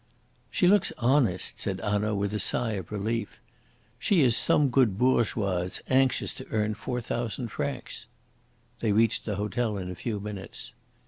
"She looks honest," said Hanaud, with a sigh of relief. "She is some good bourgeoise anxious to earn four thousand francs." They reached the hotel in a few minutes.